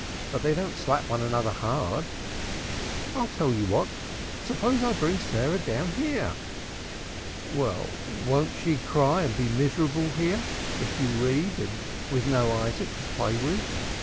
But they don't slap one another hard. I'll tell you what! Suppose I bring Sarah down here!" "Well, but won't she cry and be miserable here, if you read, and with no Isaac to play with?"